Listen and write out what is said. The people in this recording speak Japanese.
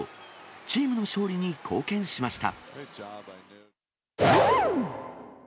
チームの勝利に貢献しました。